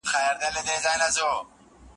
د استبداد امیره کوم ایوب به ژر تبعید کړې